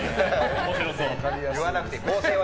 面白そう。